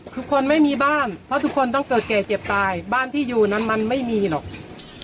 ทุกคนไม่มีบ้านเพราะทุกคนต้องเกิดแก่เจ็บตายบ้านที่อยู่นั้นมันไม่มีหรอก